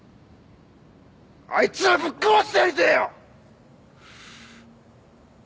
あいつらぶっ殺してやりてえよ！